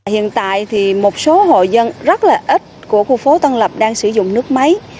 hiện tại thì một số hội dân rất là ít của khu phố tân lập đang sử dụng nước máy